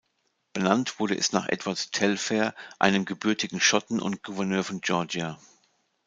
Benannt wurde es nach Edward Telfair, einem gebürtigen Schotten und Gouverneur von Georgia.